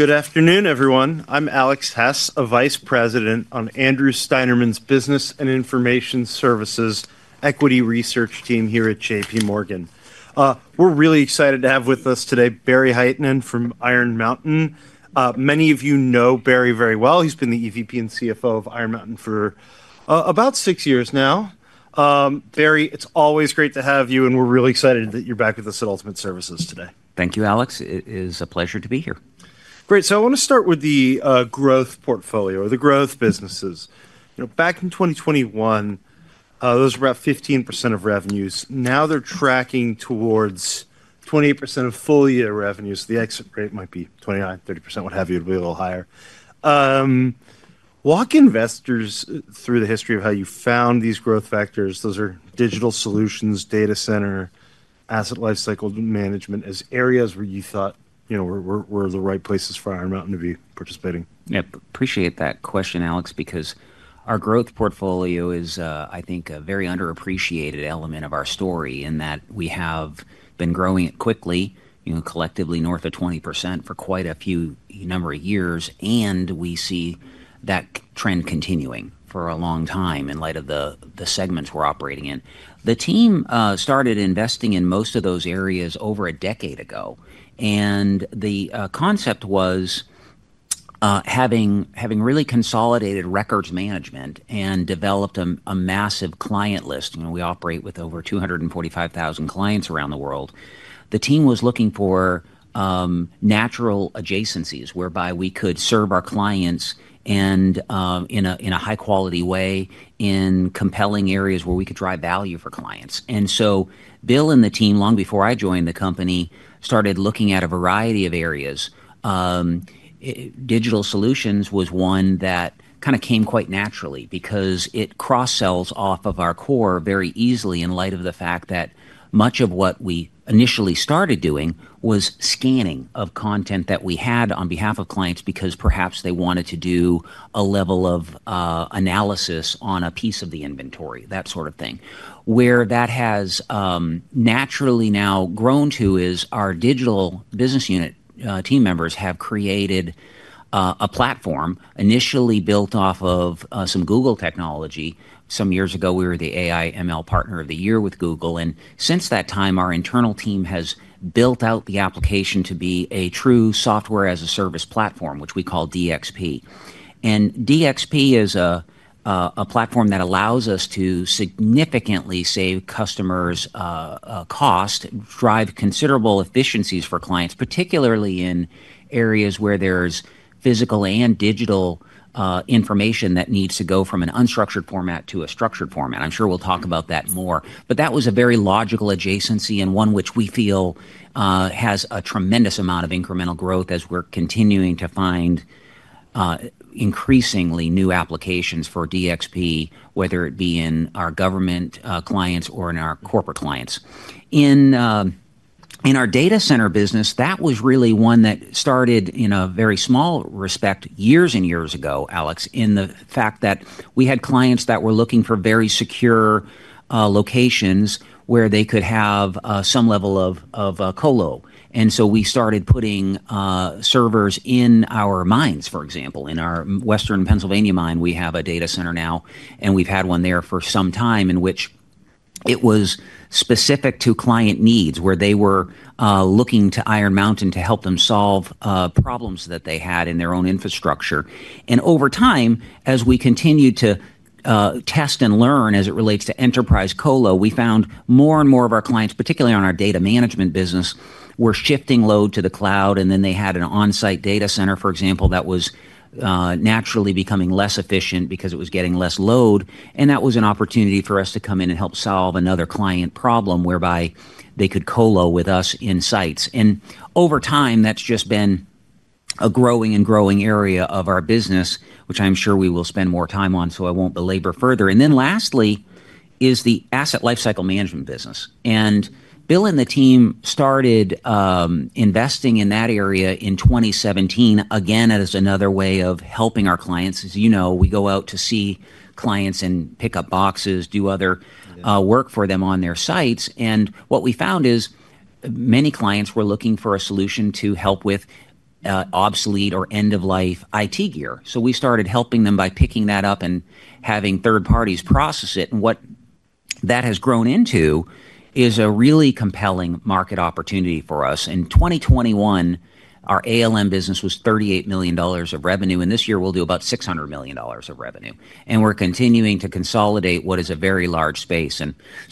Good afternoon, everyone. I'm Alex Hess, a Vice President on Andrew Steinerman's Business and Information Services Equity Research Team here at JPMorgan. We're really excited to have with us today Barry Hytinen from Iron Mountain. Many of you know Barry very well. He's been the EVP and CFO of Iron Mountain for about six years now. Barry, it's always great to have you, and we're really excited that you're back with us at Ultimate Services today. Thank you, Alex. It is a pleasure to be here. Great. I want to start with the growth portfolio or the growth businesses. Back in 2021, those were about 15% of revenues. Now they're tracking towards 28% of full year revenues. The exit rate might be 29%, 30%, what have you. It'll be a little higher. Walk investors through the history of how you found these growth factors. Those are digital solutions, data center, asset lifecycle management, as areas where you thought were the right places for Iron Mountain to be participating. I appreciate that question, Alex, because our growth portfolio is, I think, a very underappreciated element of our story in that we have been growing it quickly, collectively north of 20% for quite a number of years. We see that trend continuing for a long time in light of the segments we are operating in. The team started investing in most of those areas over a decade ago. The concept was having really consolidated records management and developed a massive client list. We operate with over 245,000 clients around the world. The team was looking for natural adjacencies whereby we could serve our clients in a high-quality way in compelling areas where we could drive value for clients. Bill and the team, long before I joined the company, started looking at a variety of areas. Digital solutions was one that kind of came quite naturally because it cross-sells off of our core very easily in light of the fact that much of what we initially started doing was scanning of content that we had on behalf of clients because perhaps they wanted to do a level of analysis on a piece of the inventory, that sort of thing. Where that has naturally now grown to is our digital business unit team members have created a platform initially built off of some Google technology. Some years ago, we were the AI/ML Partner of the Year with Google. Since that time, our internal team has built out the application to be a true software as a service platform, which we call DXP. DXP is a platform that allows us to significantly save customers' cost, drive considerable efficiencies for clients, particularly in areas where there is physical and digital information that needs to go from an unstructured format to a structured format. I am sure we will talk about that more. That was a very logical adjacency and one which we feel has a tremendous amount of incremental growth as we are continuing to find increasingly new applications for DXP, whether it be in our government clients or in our corporate clients. In our data center business, that was really one that started in a very small respect years and years ago, Alex, in the fact that we had clients that were looking for very secure locations where they could have some level of co-lo. We started putting servers in our mines, for example. In our Western Pennsylvania mine, we have a data center now, and we've had one there for some time in which it was specific to client needs where they were looking to Iron Mountain to help them solve problems that they had in their own infrastructure. Over time, as we continued to test and learn as it relates to enterprise co-lo, we found more and more of our clients, particularly on our data management business, were shifting load to the cloud. They had an on-site data center, for example, that was naturally becoming less efficient because it was getting less load. That was an opportunity for us to come in and help solve another client problem whereby they could co-lo with us in sites. Over time, that's just been a growing and growing area of our business, which I'm sure we will spend more time on, so I won't belabor further. Lastly is the asset lifecycle management business. Bill and the team started investing in that area in 2017 again as another way of helping our clients. As you know, we go out to see clients and pick up boxes, do other work for them on their sites. What we found is many clients were looking for a solution to help with obsolete or end-of-life IT gear. We started helping them by picking that up and having third parties process it. What that has grown into is a really compelling market opportunity for us. In 2021, our ALM business was $38 million of revenue. This year, we'll do about $600 million of revenue. We're continuing to consolidate what is a very large space.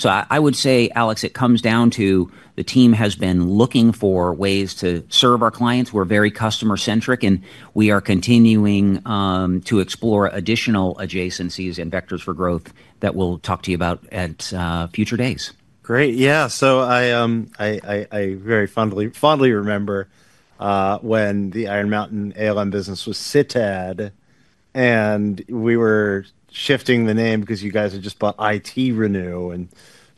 I would say, Alex, it comes down to the team has been looking for ways to serve our clients. We're very customer-centric, and we are continuing to explore additional adjacencies and vectors for growth that we'll talk to you about at future days. Great. Yeah. I very fondly remember when the Iron Mountain ALM business was CITAD. We were shifting the name because you guys had just bought IT Renew, and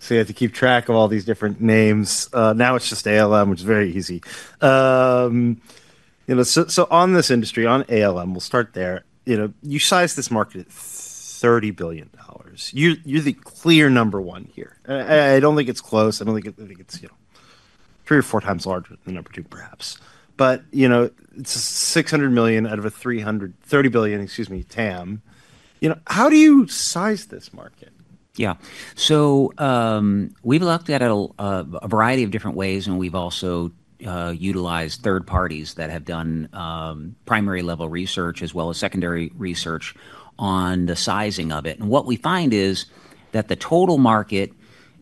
you had to keep track of all these different names. Now it's just ALM, which is very easy. On this industry, on ALM, we'll start there. You sized this market at $30 billion. You're the clear number one here. I don't think it's close. I think it's three or four times larger than number two, perhaps. It's $600 million out of a $30 billion, excuse me, TAM. How do you size this market? Yeah. We have looked at it a variety of different ways, and we have also utilized third parties that have done primary-level research as well as secondary research on the sizing of it. What we find is that the total market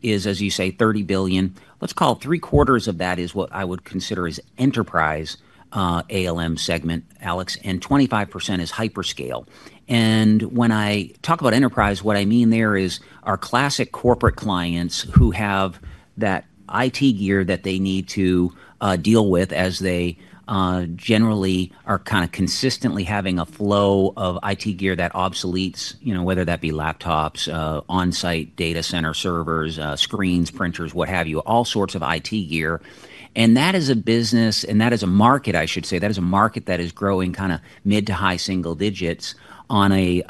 is, as you say, $30 billion. Let's call three-quarters of that what I would consider is the enterprise ALM segment, Alex, and 25% is hyperscale. When I talk about enterprise, what I mean there is our classic corporate clients who have that IT gear that they need to deal with as they generally are kind of consistently having a flow of IT gear that obsoletes, whether that be laptops, on-site data center servers, screens, printers, what have you, all sorts of IT gear. That is a business, and that is a market, I should say. That is a market that is growing kind of mid to high single digits on a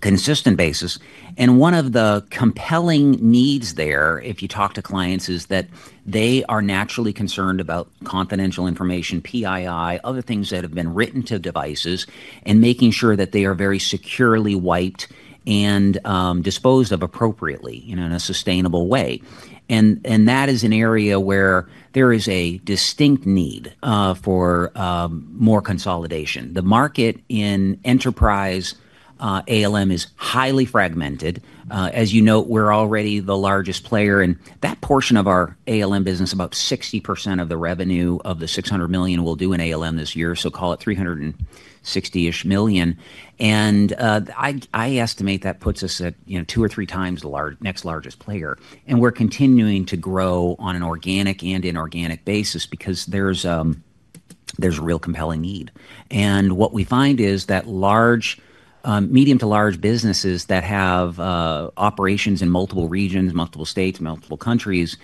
consistent basis. One of the compelling needs there, if you talk to clients, is that they are naturally concerned about confidential information, PII, other things that have been written to devices, and making sure that they are very securely wiped and disposed of appropriately in a sustainable way. That is an area where there is a distinct need for more consolidation. The market in enterprise ALM is highly fragmented. As you note, we're already the largest player. That portion of our ALM business, about 60% of the revenue of the $600 million we'll do in ALM this year, so call it $360 million. I estimate that puts us at two or three times the next largest player. We're continuing to grow on an organic and inorganic basis because there's a real compelling need. What we find is that medium to large businesses that have operations in multiple regions, multiple states, multiple countries,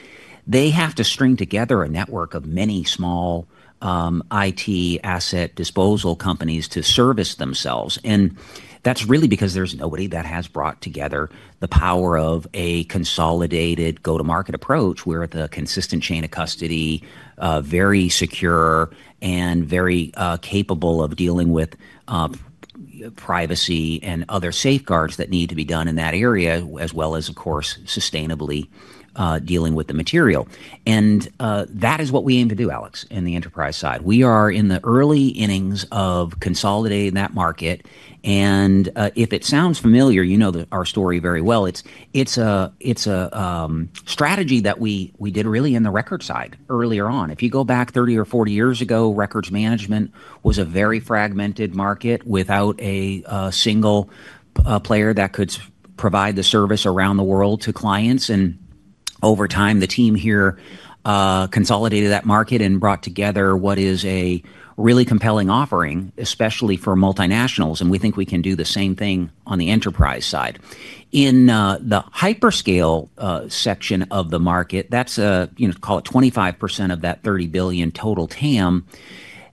they have to string together a network of many small IT asset disposal companies to service themselves. That's really because there's nobody that has brought together the power of a consolidated go-to-market approach where the consistent chain of custody is very secure and very capable of dealing with privacy and other safeguards that need to be done in that area, as well as, of course, sustainably dealing with the material. That is what we aim to do, Alex, in the enterprise side. We are in the early innings of consolidating that market. If it sounds familiar, you know our story very well. It's a strategy that we did really in the record side earlier on. If you go back 30 years or 40 years ago, records management was a very fragmented market without a single player that could provide the service around the world to clients. Over time, the team here consolidated that market and brought together what is a really compelling offering, especially for multinationals. We think we can do the same thing on the enterprise side. In the hyperscale section of the market, that's, call it, 25% of that $30 billion total TAM.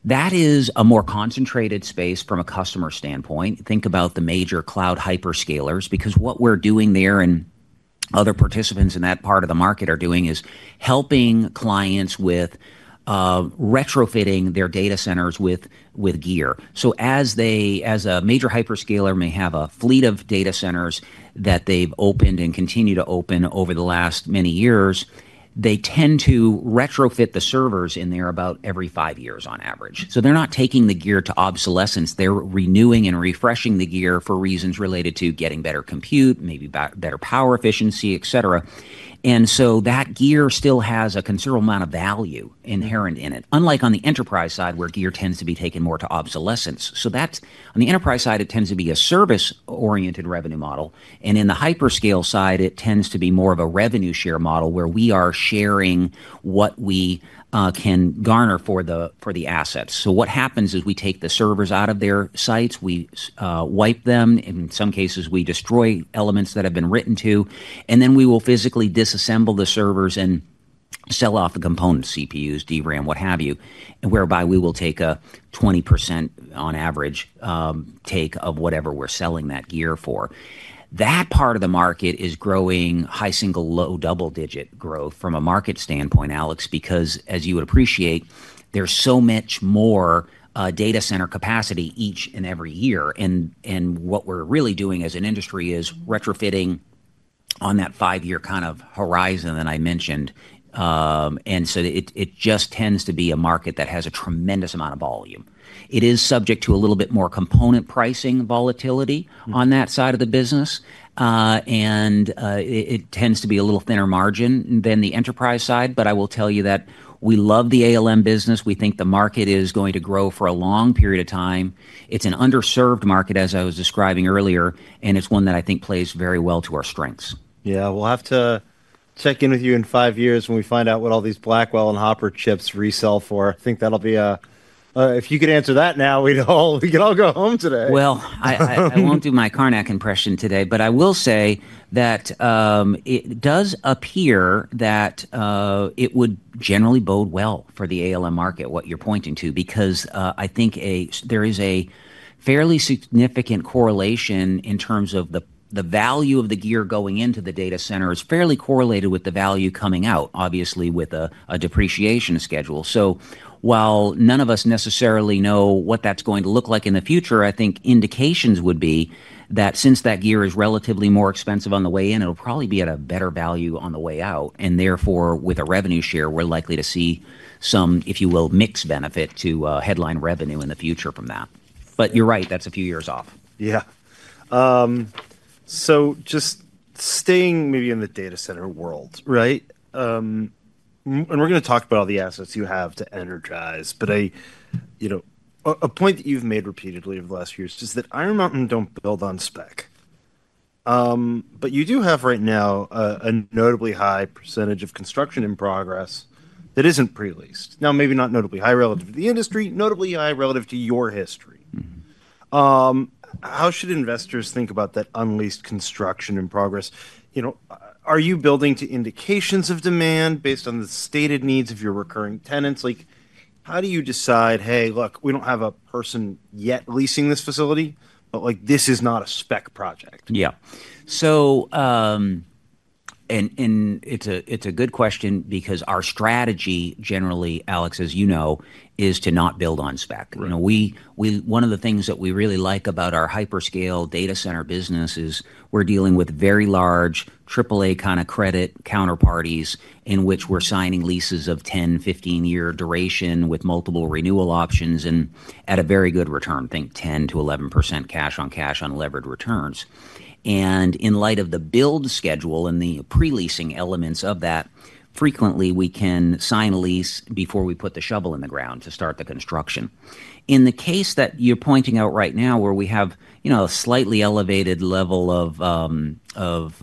That is a more concentrated space from a customer standpoint. Think about the major cloud hyperscalers because what we're doing there and other participants in that part of the market are doing is helping clients with retrofitting their data centers with gear. As a major hyperscaler may have a fleet of data centers that they've opened and continue to open over the last many years, they tend to retrofit the servers in there about every five years on average. They're not taking the gear to obsolescence. They're renewing and refreshing the gear for reasons related to getting better compute, maybe better power efficiency, etc. That gear still has a considerable amount of value inherent in it, unlike on the enterprise side where gear tends to be taken more to obsolescence. On the enterprise side, it tends to be a service-oriented revenue model. In the hyperscale side, it tends to be more of a revenue share model where we are sharing what we can garner for the assets. What happens is we take the servers out of their sites. We wipe them. In some cases, we destroy elements that have been written to. Then we will physically disassemble the servers and sell off the components, CPUs, DRAM, what have you, whereby we will take a 20% on average take of whatever we're selling that gear for. That part of the market is growing high single, low double-digit growth from a market standpoint, Alex, because as you would appreciate, there is so much more data center capacity each and every year. What we are really doing as an industry is retrofitting on that five-year kind of horizon that I mentioned. It just tends to be a market that has a tremendous amount of volume. It is subject to a little bit more component pricing volatility on that side of the business. It tends to be a little thinner margin than the enterprise side. I will tell you that we love the ALM business. We think the market is going to grow for a long period of time. It's an underserved market, as I was describing earlier, and it's one that I think plays very well to our strengths. Yeah. We'll have to check in with you in five years when we find out what all these Blackwell and Hopper chips resell for. I think that'll be a if you could answer that now, we could all go home today. I will not do my Carnac impression today, but I will say that it does appear that it would generally bode well for the ALM market, what you are pointing to, because I think there is a fairly significant correlation in terms of the value of the gear going into the data center. It is fairly correlated with the value coming out, obviously, with a depreciation schedule. While none of us necessarily know what that is going to look like in the future, I think indications would be that since that gear is relatively more expensive on the way in, it will probably be at a better value on the way out. Therefore, with a revenue share, we are likely to see some, if you will, mixed benefit to headline revenue in the future from that. You are right, that is a few years off. Yeah. Just staying maybe in the data center world, right? We are going to talk about all the assets you have to energize. A point that you have made repeatedly over the last few years is that Iron Mountain do not build on spec. You do have right now a notably high percentage of construction in progress that is not pre-leased. Maybe not notably high relative to the industry, but notably high relative to your history. How should investors think about that unleased construction in progress? Are you building to indications of demand based on the stated needs of your recurring tenants? How do you decide, "Hey, look, we do not have a person yet leasing this facility, but this is not a spec project"? Yeah. It is a good question because our strategy generally, Alex, as you know, is to not build on spec. One of the things that we really like about our hyperscale data center business is we are dealing with very large AAA kind of credit counterparties in which we are signing leases of 10 year-15 year duration with multiple renewal options and at a very good return, think 10%-11% cash on cash on levered returns. In light of the build schedule and the pre-leasing elements of that, frequently, we can sign a lease before we put the shovel in the ground to start the construction. In the case that you are pointing out right now, where we have a slightly elevated level of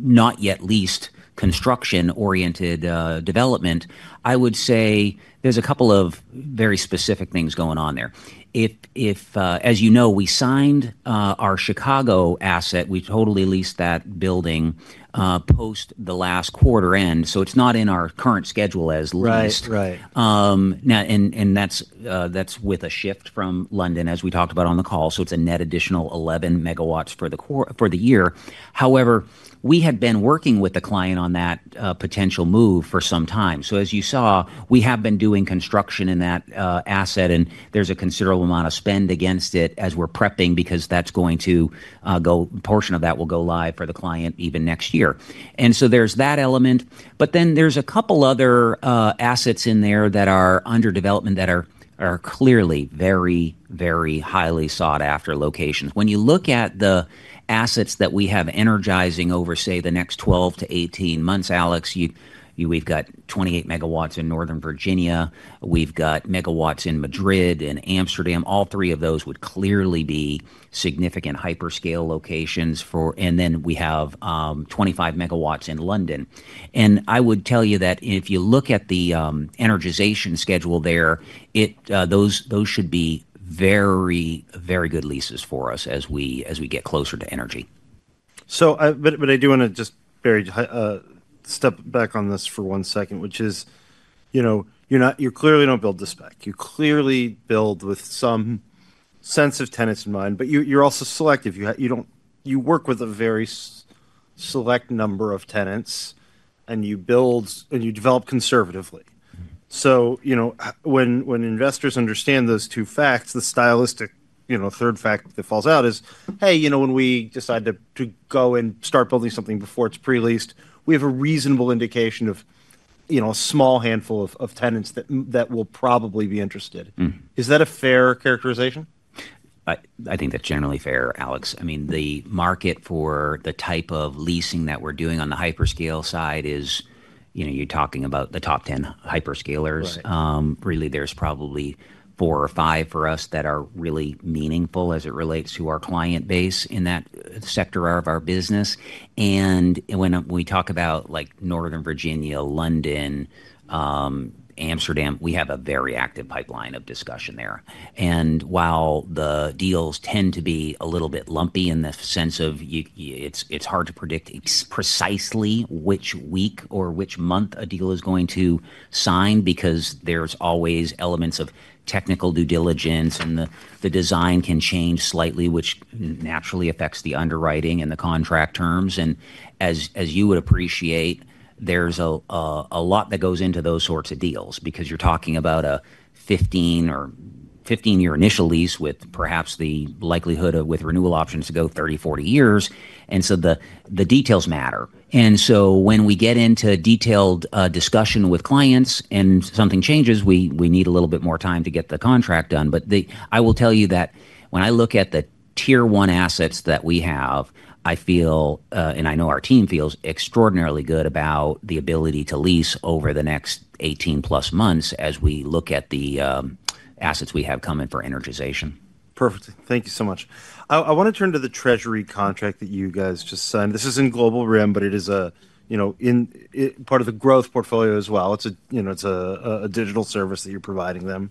not yet leased construction-oriented development, I would say there are a couple of very specific things going on there. As you know, we signed our Chicago asset. We totally leased that building post the last quarter end. It is not in our current schedule as leased. That is with a shift from London, as we talked about on the call. It is a net additional 11 MW for the year. However, we had been working with the client on that potential move for some time. As you saw, we have been doing construction in that asset, and there is a considerable amount of spend against it as we are prepping because a portion of that will go live for the client even next year. There is that element. There are a couple of other assets in there that are under development that are clearly very, very highly sought-after locations. When you look at the assets that we have energizing over, say, the next 12 months - 18 months, Alex, we've got 28 MW in Northern Virginia. We've got megawatts in Madrid and Amsterdam. All three of those would clearly be significant hyperscale locations. Then we have 25 MW in London. I would tell you that if you look at the energization schedule there, those should be very, very good leases for us as we get closer to energy. I do want to just step back on this for one second, which is you clearly do not build to spec. You clearly build with some sense of tenants in mind, but you are also selective. You work with a very select number of tenants, and you build and you develop conservatively. When investors understand those two facts, the stylistic third fact that falls out is, "Hey, when we decide to go and start building something before it is pre-leased, we have a reasonable indication of a small handful of tenants that will probably be interested." Is that a fair characterization? I think that's generally fair, Alex. I mean, the market for the type of leasing that we're doing on the hyperscale side is you're talking about the top 10 hyperscalers. Really, there's probably four or five for us that are really meaningful as it relates to our client base in that sector of our business. When we talk about Northern Virginia, London, Amsterdam, we have a very active pipeline of discussion there. While the deals tend to be a little bit lumpy in the sense of it's hard to predict precisely which week or which month a deal is going to sign because there's always elements of technical due diligence, and the design can change slightly, which naturally affects the underwriting and the contract terms. As you would appreciate, there's a lot that goes into those sorts of deals because you're talking about a 15-year initial lease with perhaps the likelihood of renewal options to go 30 years-40 years. The details matter. When we get into detailed discussion with clients and something changes, we need a little bit more time to get the contract done. I will tell you that when I look at the tier one assets that we have, I feel and I know our team feels extraordinarily good about the ability to lease over the next 18+ months as we look at the assets we have coming for energization. Perfect. Thank you so much. I want to turn to the Treasury contract that you guys just signed. This isn't global RIM, but it is part of the growth portfolio as well. It's a digital service that you're providing them.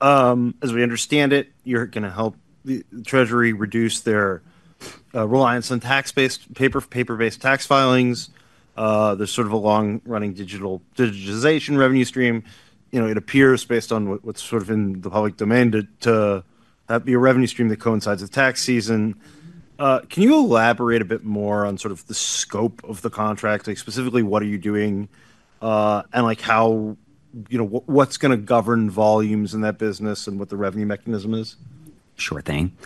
As we understand it, you're going to help the Treasury reduce their reliance on paper-based tax filings. There's sort of a long-running digitization revenue stream. It appears based on what's sort of in the public domain to be a revenue stream that coincides with tax season. Can you elaborate a bit more on sort of the scope of the contract? Specifically, what are you doing and what's going to govern volumes in that business and what the revenue mechanism is? Sure thing.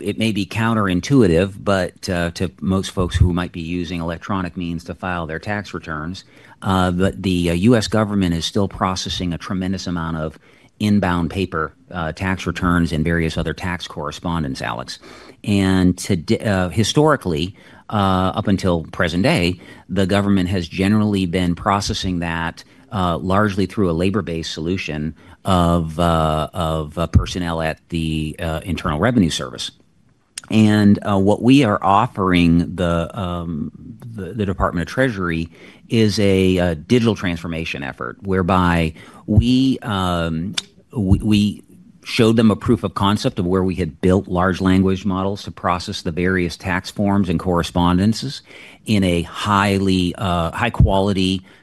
It may be counterintuitive, but to most folks who might be using electronic means to file their tax returns, the U.S. government is still processing a tremendous amount of inbound paper tax returns and various other tax correspondence, Alex. Historically, up until present day, the government has generally been processing that largely through a labor-based solution of personnel at the Internal Revenue Service. What we are offering the U.S. Department of the Treasury is a digital transformation effort whereby we showed them a proof of concept of where we had built large language models to process the various tax forms and correspondences in a high-quality,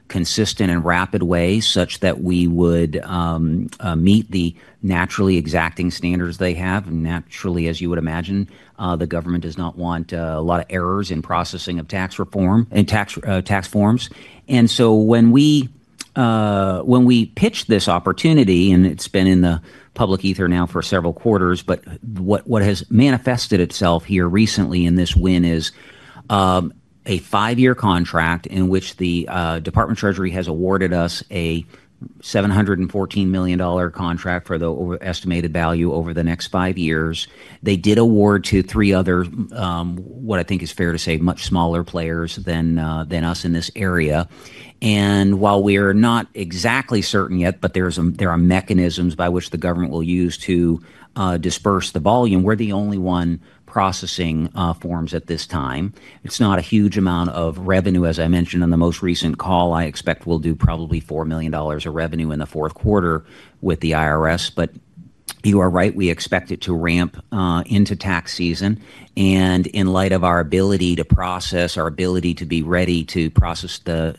consistent, and rapid way such that we would meet the naturally exacting standards they have. Naturally, as you would imagine, the government does not want a lot of errors in processing of tax reform and tax forms. When we pitched this opportunity, and it's been in the public ether now for several quarters, what has manifested itself here recently in this win is a five-year contract in which the U.S. Department of the Treasury has awarded us a $714 million contract for the estimated value over the next five years. They did award to three other, what I think is fair to say, much smaller players than us in this area. While we are not exactly certain yet, there are mechanisms by which the government will use to disperse the volume. We're the only one processing forms at this time. It's not a huge amount of revenue. As I mentioned on the most recent call, I expect we'll do probably $4 million of revenue in the fourth quarter with the IRS. You are right. We expect it to ramp into tax season. In light of our ability to process, our ability to be ready to process the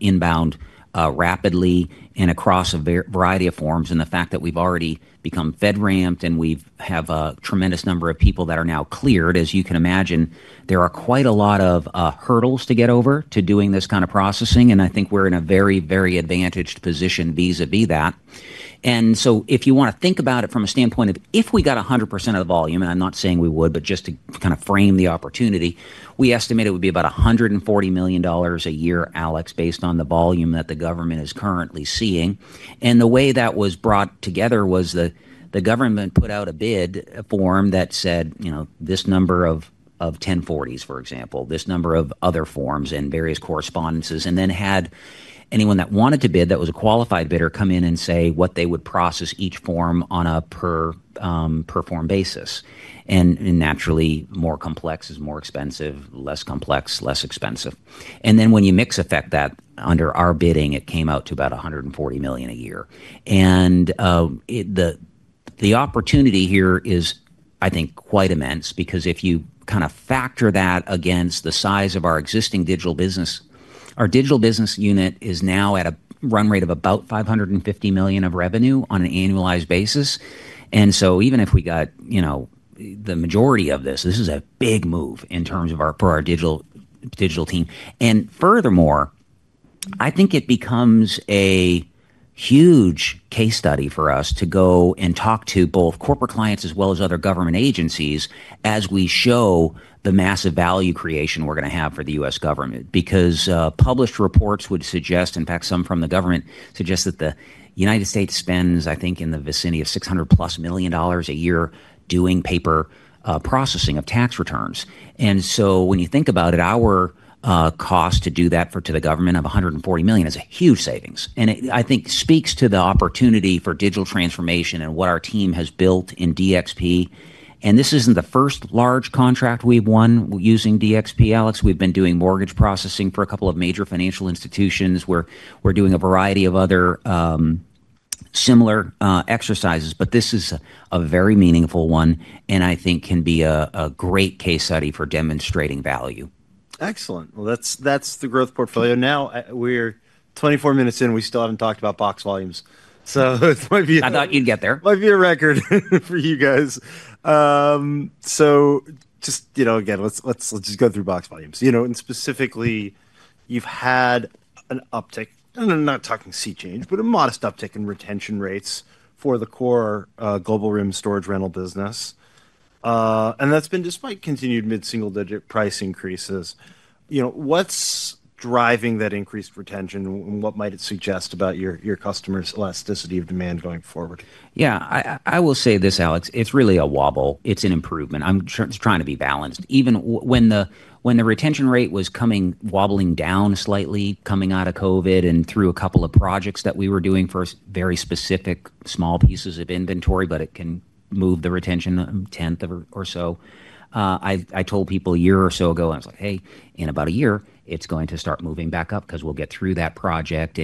inbound rapidly and across a variety of forms, and the fact that we've already become FedRAMP-ed and we have a tremendous number of people that are now cleared, as you can imagine, there are quite a lot of hurdles to get over to doing this kind of processing. I think we're in a very, very advantaged position vis-à-vis that. If you want to think about it from a standpoint of if we got 100% of the volume, and I'm not saying we would, but just to kind of frame the opportunity, we estimate it would be about $140 million a year, Alex, based on the volume that the government is currently seeing. The way that was brought together was the government put out a bid form that said this number of ten fortys, for example, this number of other forms and various correspondences, and then had anyone that wanted to bid that was a qualified bidder come in and say what they would process each form on a per-form basis. Naturally, more complex is more expensive, less complex, less expensive. When you mix effect that under our bidding, it came out to about $140 million a year. The opportunity here is, I think, quite immense because if you kind of factor that against the size of our existing digital business, our digital business unit is now at a run rate of about $550 million of revenue on an annualized basis. Even if we got the majority of this, this is a big move in terms of our digital team. Furthermore, I think it becomes a huge case study for us to go and talk to both corporate clients as well as other government agencies as we show the massive value creation we are going to have for the U.S. government because published reports would suggest, in fact, some from the government suggest that the United States spends, I think, in the vicinity of $600 million plus a year doing paper processing of tax returns. When you think about it, our cost to do that to the government of $140 million is a huge savings. I think it speaks to the opportunity for digital transformation and what our team has built in DXP. This is not the first large contract we have won using DXP, Alex. We've been doing mortgage processing for a couple of major financial institutions. We're doing a variety of other similar exercises, but this is a very meaningful one and I think can be a great case study for demonstrating value. Excellent. That is the growth portfolio. Now, we are 24 minutes in. We still have not talked about box volumes. It might be a record. I thought you'd get there. Might be a record for you guys. So just again, let's just go through box volumes. And specifically, you've had an uptick, and I'm not talking sea change, but a modest uptick in retention rates for the core global RIM storage rental business. And that's been despite continued mid-single-digit price increases. What's driving that increased retention and what might it suggest about your customer's elasticity of demand going forward? Yeah. I will say this, Alex. It's really a wobble. It's an improvement. I'm trying to be balanced. Even when the retention rate was coming wobbling down slightly coming out of COVID and through a couple of projects that we were doing for very specific small pieces of inventory, but it can move the retention a tenth or so. I told people a year or so ago, I was like, "Hey, in about a year, it's going to start moving back up because we'll get through that project."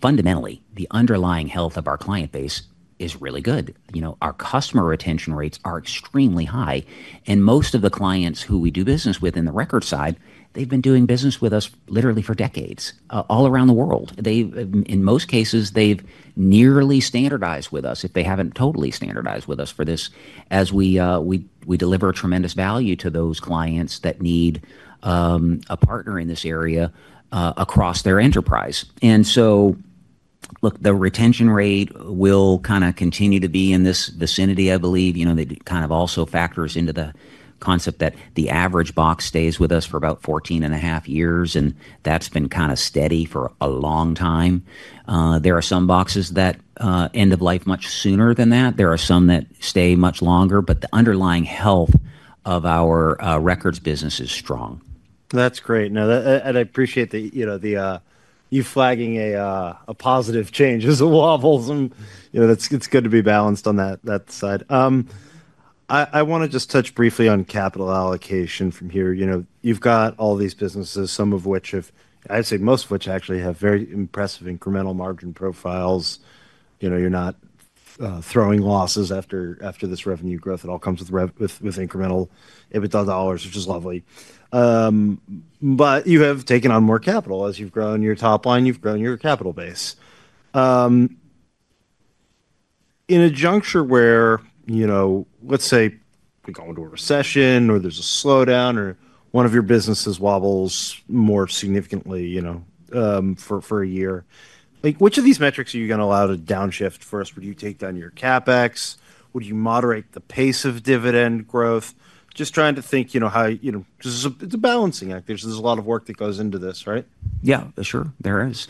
Fundamentally, the underlying health of our client base is really good. Our customer retention rates are extremely high. Most of the clients who we do business with in the record side, they've been doing business with us literally for decades all around the world. In most cases, they've nearly standardized with us if they haven't totally standardized with us for this as we deliver tremendous value to those clients that need a partner in this area across their enterprise. Look, the retention rate will kind of continue to be in this vicinity, I believe. It kind of also factors into the concept that the average box stays with us for about 14.5 years, and that's been kind of steady for a long time. There are some boxes that end of life much sooner than that. There are some that stay much longer, but the underlying health of our records business is strong. That's great. I appreciate that you're flagging a positive change as a wobble. It's good to be balanced on that side. I want to just touch briefly on capital allocation from here. You've got all these businesses, some of which have, I'd say most of which actually have very impressive incremental margin profiles. You're not throwing losses after this revenue growth. It all comes with incremental EBITDA dollars, which is lovely. You have taken on more capital as you've grown your top line. You've grown your capital base. In a juncture where, let's say, we go into a recession or there's a slowdown or one of your businesses wobbles more significantly for a year, which of these metrics are you going to allow to downshift first? Would you take down your CapEx? Would you moderate the pace of dividend growth? Just trying to think how it's a balancing act. There's a lot of work that goes into this, right? Yeah, sure. There is.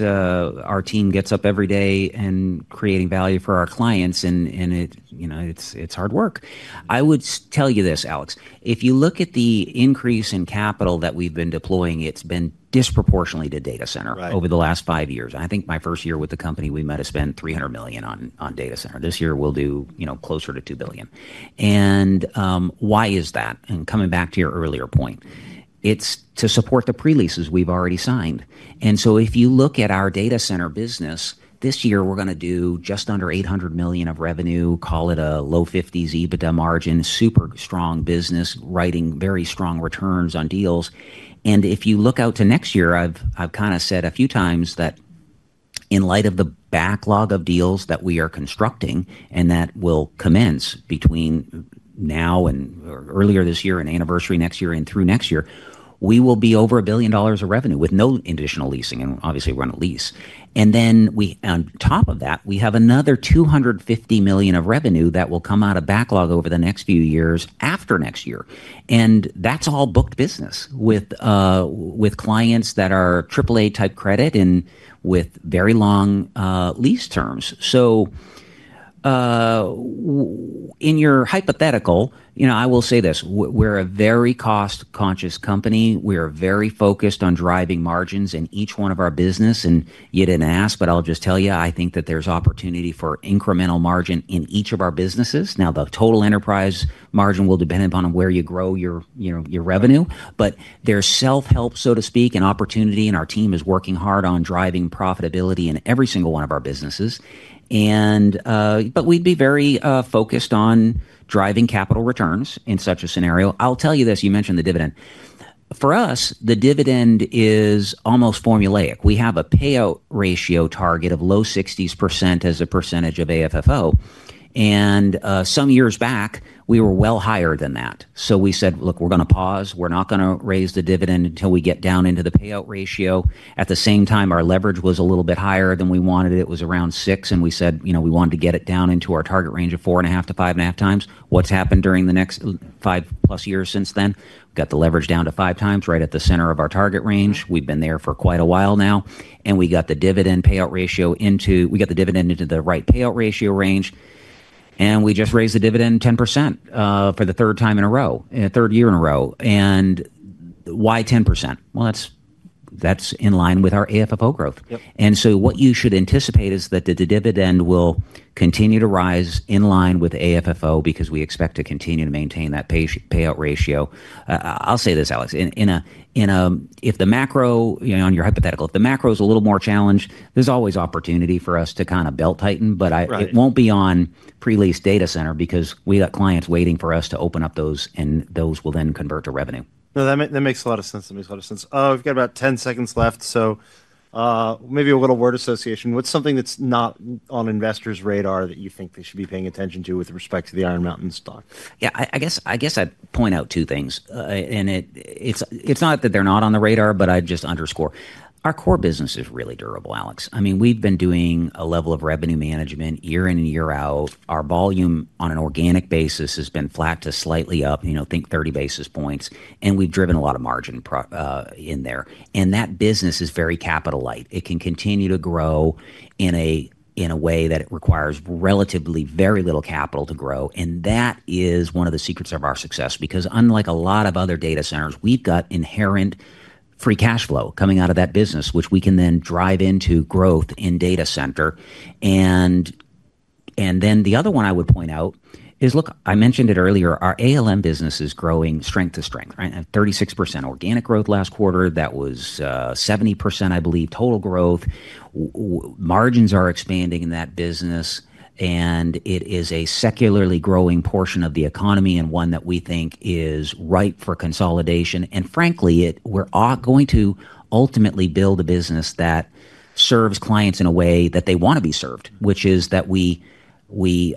Our team gets up every day and creating value for our clients, and it's hard work. I would tell you this, Alex. If you look at the increase in capital that we've been deploying, it's been disproportionately to data center over the last five years. I think my first year with the company, we might have spent $300 million on data center. This year, we'll do closer to $2 billion. Why is that? Coming back to your earlier point, it's to support the pre-leases we've already signed. If you look at our data center business, this year, we're going to do just under $800 million of revenue, call it a low 50% EBITDA margin, super strong business, writing very strong returns on deals. If you look out to next year, I've kind of said a few times that in light of the backlog of deals that we are constructing and that will commence between now and earlier this year and anniversary next year and through next year, we will be over $1 billion of revenue with no additional leasing. Obviously, we're on a lease. On top of that, we have another $250 million of revenue that will come out of backlog over the next few years after next year. That's all booked business with clients that are AAA-type credit and with very long lease terms. In your hypothetical, I will say this. We're a very cost-conscious company. We are very focused on driving margins in each one of our businesses. You did not ask, but I will just tell you, I think that there is opportunity for incremental margin in each of our businesses. Now, the total enterprise margin will depend upon where you grow your revenue, but there is self-help, so to speak, and opportunity. Our team is working hard on driving profitability in every single one of our businesses. We would be very focused on driving capital returns in such a scenario. I will tell you this. You mentioned the dividend. For us, the dividend is almost formulaic. We have a payout ratio target of low 60% as a percentage of AFFO. Some years back, we were well higher than that. We said, "Look, we are going to pause. We are not going to raise the dividend until we get down into the payout ratio." At the same time, our leverage was a little bit higher than we wanted. It was around six. We said we wanted to get it down into our target range of four and a half to five and a half times. What has happened during the next five-plus years since then? We got the leverage down to five times, right at the center of our target range. We have been there for quite a while now. We got the dividend payout ratio into, we got the dividend into the right payout ratio range. We just raised the dividend 10% for the third time in a row, third year in a row. Why 10%? That is in line with our AFFO growth. What you should anticipate is that the dividend will continue to rise in line with AFFO because we expect to continue to maintain that payout ratio. I will say this, Alex. If the macro, on your hypothetical, if the macro is a little more challenged, there's always opportunity for us to kind of belt tighten, but it won't be on pre-leased data center because we got clients waiting for us to open up those, and those will then convert to revenue. No, that makes a lot of sense. That makes a lot of sense. We've got about 10 seconds left. Maybe a little word association with something that's not on investors' radar that you think they should be paying attention to with respect to the Iron Mountain stock. Yeah. I guess I'd point out two things. It's not that they're not on the radar, but I'd just underscore. Our core business is really durable, Alex. I mean, we've been doing a level of revenue management year in and year out. Our volume on an organic basis has been flat to slightly up, think 30 basis points. We've driven a lot of margin in there. That business is very capital-light. It can continue to grow in a way that requires relatively very little capital to grow. That is one of the secrets of our success because unlike a lot of other data centers, we've got inherent free cash flow coming out of that business, which we can then drive into growth in data center. The other one I would point out is, look, I mentioned it earlier, our ALM business is growing strength to strength, right? 36% organic growth last quarter. That was 70%, I believe, total growth. Margins are expanding in that business. It is a secularly growing portion of the economy and one that we think is ripe for consolidation. Frankly, we're going to ultimately build a business that serves clients in a way that they want to be served, which is that we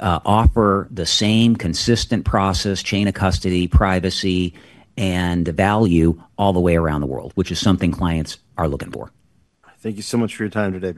offer the same consistent process, chain of custody, privacy, and value all the way around the world, which is something clients are looking for. Thank you so much for your time today.